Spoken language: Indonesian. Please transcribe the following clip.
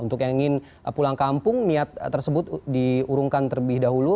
untuk yang ingin pulang kampung niat tersebut diurungkan terlebih dahulu